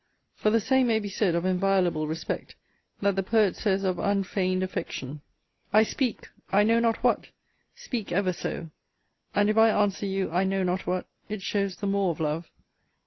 For the same may be said of inviolable respect, that the poet says of unfeigned affection, I speak! I know not what! Speak ever so: and if I answer you I know not what, it shows the more of love.